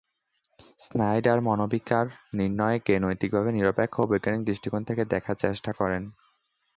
Snyder মনোবিকার নির্ণয়কে নৈতিকভাবে নিরপেক্ষ ও বৈজ্ঞানিক দৃষ্টিকোণ থেকে দেখার চেষ্টা করেন।